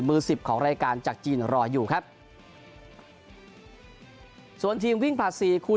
สิบของรายการจากจีนรออยู่ครับส่วนทีมวิ่งผลัดสี่คูณ